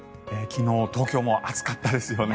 昨日、東京も暑かったですよね。